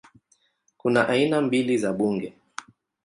Kuna aina mbili za bunge